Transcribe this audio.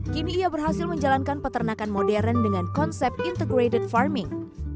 kini ia berhasil menjalankan peternakan modern dengan konsep integrated farming